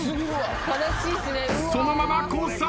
そのままコース